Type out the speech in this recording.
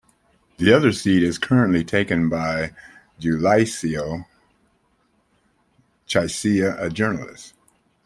The other seat is currently taken by Giulietto Chiesa, a journalist.